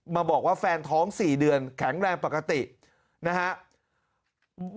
มาบอกว่าแฟนท้อง๔เดือนแข็งแรงปกตินะฮะ